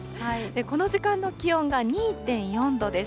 この時間の気温が２．４度です。